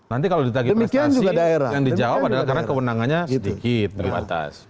nanti kalau ditagi prestasi yang dijawab adalah karena kewenangannya sedikit terbatas